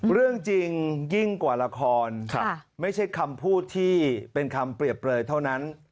เรื่องจริงยิ่งกว่าละครไม่ใช่คำพูดที่เป็นคำเปรียบเปลยเท่านั้น